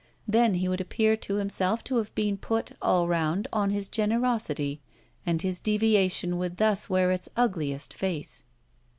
Then he would appear to himself to have been put, all round, on his generosity, and his deviation would thus wear its ugliest face.